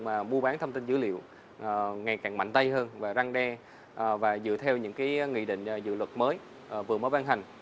mà mua bán thông tin dữ liệu ngày càng mạnh tay hơn và răng đe và dựa theo những cái nghị định dự luật mới vừa mới ban hành